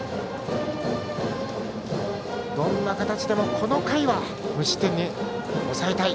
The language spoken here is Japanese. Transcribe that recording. どんな形でもこの回は無失点に抑えたい。